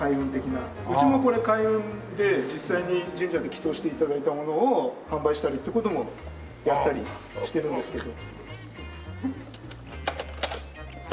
うちもこれ開運で実際に神社で祈祷して頂いたものを販売したりって事もやったりしてるんですけど。